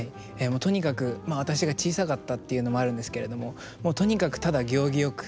もうとにかくまあ私が小さかったっていうのもあるんですけれどもとにかくただ行儀よく。